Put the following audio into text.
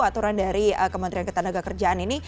aturan dari kementerian ketanaga kerjaan